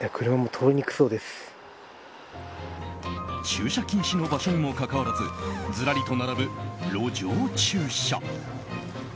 駐車禁止の場所にもかかわらずずらりと並ぶ路上駐車。